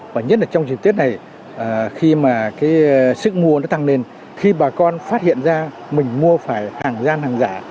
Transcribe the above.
và nhất là trong dịp tết này khi mà cái sức mua nó tăng lên khi bà con phát hiện ra mình mua phải hàng gian hàng giả